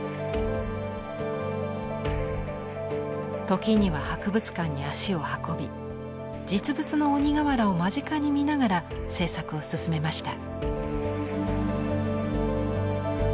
時には博物館に足を運び実物の鬼瓦を間近に見ながら制作を進めました。